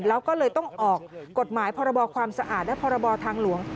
แล้วก็เลยต้องออกกฎหมายพรบความสะอาดและพรบทางหลวง